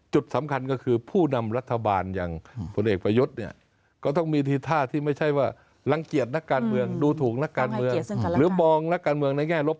จุดสำคัญก็คือ